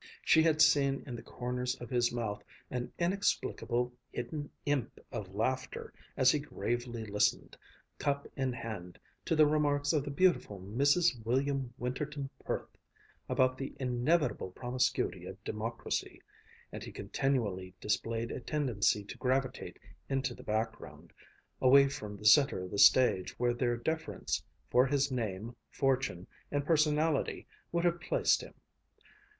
She had seen in the corners of his mouth an inexplicable hidden imp of laughter as he gravely listened, cup in hand, to the remarks of the beautiful Mrs. William Winterton Perth about the inevitable promiscuity of democracy, and he continually displayed a tendency to gravitate into the background, away from the center of the stage where their deference for his name, fortune, and personality would have placed him.